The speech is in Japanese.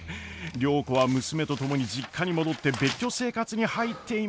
良子は娘と共に実家に戻って別居生活に入っていました。